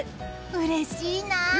うれしいな！